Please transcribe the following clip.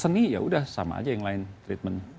ini ya sudah sama aja yang lain treatment